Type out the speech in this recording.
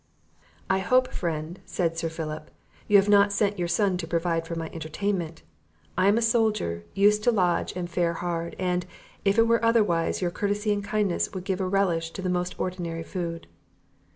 "I hope, friend," said Sir Philip, "you have not sent your son to provide for my entertainment; I am a soldier, used to lodge and fare hard; and, if it were otherwise, your courtesy and kindness would give a relish to the most ordinary food."